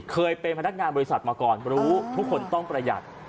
เคยเป็นพนักงานบริษัทมาก่อนรู้ทุกคนต้องประหยัด